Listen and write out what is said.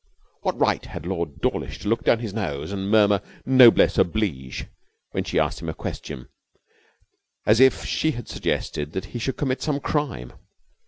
What right had Lord Dawlish to look down his nose and murmur 'Noblesse oblige' when she asked him a question, as if she had suggested that he should commit some crime?